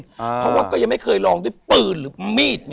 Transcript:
เพราะว่าก็ยังไม่เคยลองด้วยปืนหรือมีด